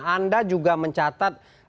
anda juga mencatat